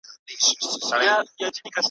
ته چي صبر کړې غرور پکښي څرګند دی ,